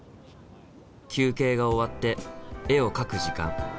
休憩が終わって絵を描く時間。